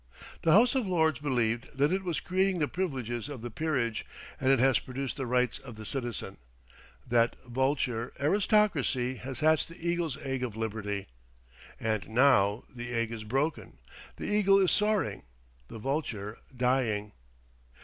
The House of Lords believed that it was creating the privileges of the peerage, and it has produced the rights of the citizen. That vulture, aristocracy, has hatched the eagle's egg of liberty. And now the egg is broken, the eagle is soaring, the vulture dying.